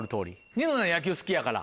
ニノは野球好きやから。